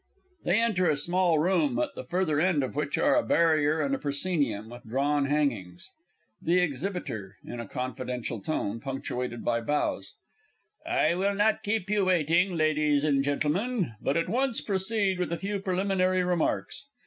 [They enter a small room, at the further end of which are a barrier and proscenium with drawn hangings. THE EXHIBITOR (in a confidential tone, punctuated by bows). I will not keep you waiting, Ladies and Gentlemen, but at once proceed with a few preliminary remarks.